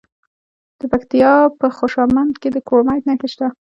د پکتیکا په خوشامند کې د کرومایټ نښې شته.